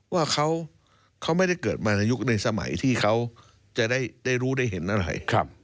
ว่าเขาไม่ได้เกิดมาในยุคในสมัยที่เขาจะได้รู้ได้เห็นอะไร